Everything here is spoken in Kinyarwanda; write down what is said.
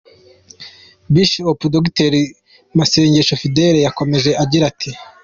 Bishop Dr Masengo Fidele yakomeje agira ati:.